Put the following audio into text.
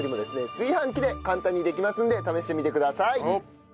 炊飯器で簡単にできますので試してみてください！